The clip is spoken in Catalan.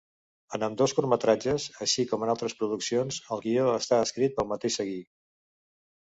En ambdós curtmetratges, així com en altres produccions, el guió està escrit pel mateix Seguí.